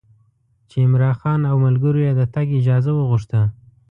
چې عمرا خان او ملګرو یې د تګ اجازه وغوښته.